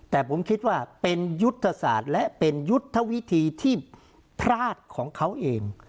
แต่ผมคิดว่าเป็นยุทธศาสตร์และเป็นยุทธวิธีที่พลาดของเขาเอง